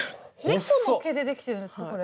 猫の毛でできてるんですかこれ。